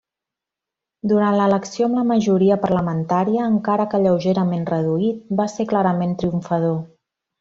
Durant l'elecció amb la majoria parlamentària, encara que lleugerament reduït, va ser clarament triomfador.